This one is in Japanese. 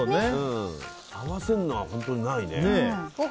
合わせるのは本当にないね。